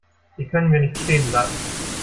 Hier können wir nicht stehen bleiben.